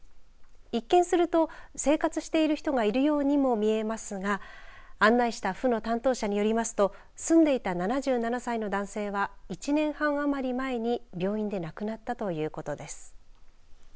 一見すると生活している人がいるようにも見えますが案内した府の担当者によりますと住んでいた７７歳の男性は１年半余り前に病院で亡くなったということです。